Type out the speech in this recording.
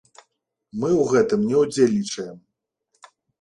Мы ў гэтым не ўдзельнічаем.